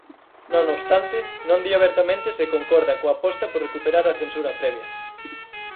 Non obstante, non di abertamente se concorda coa aposta por recuperar a censura previa.